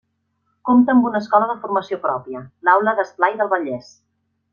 Compta amb una escola de formació pròpia l'Aula d'Esplai del Vallès.